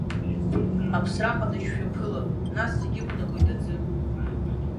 Аԥсра ҟадыџь шәаԥылап, нас зегь ықәнагоит аӡы…